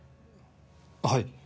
はい。